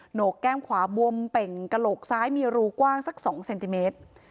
โหนกแก้มขวาบวมเป่งกระโหลกซ้ายมีรูกว้างสัก๒เซนติเมตร